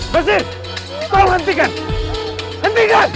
masir kau hentikan hentikan